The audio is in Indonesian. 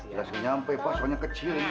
langsung nyampe pasalnya kecil ini